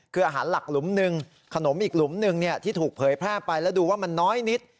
คืออาหารหลักหลุมหนึ่งขนมอีกหลุมหนึ่งที่ถูกเผยแพร่ไปแล้วดูว่ามันน้อยนิด